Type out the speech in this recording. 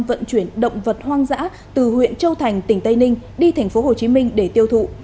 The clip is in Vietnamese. vận chuyển động vật hoang dã từ huyện châu thành tỉnh tây ninh đi tp hcm để tiêu thụ